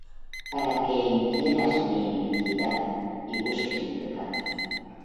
Para que inquieras mi iniquidad, Y busques mi pecado,